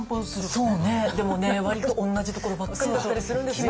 そうねでもね割と同じところばっかりだったりするんですよ。